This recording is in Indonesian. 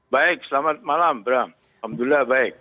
baik selamat malam bram alhamdulillah baik